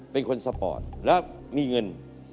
เป็นคนสปอร์ตแล้วมีเงิน